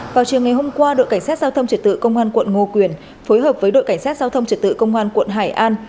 vào chiều ngày hôm qua đội cảnh sát giao thông trật tự công an quận ngô quyền phối hợp với đội cảnh sát giao thông trật tự công an quận hải an